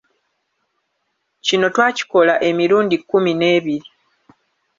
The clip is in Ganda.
Kino twakikola emirundi kkumi n'ebiri.